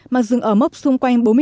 mà dừng ở mốc xung quanh